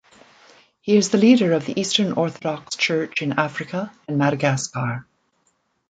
He is the leader of the Eastern Orthodox Church in Africa and Madagascar.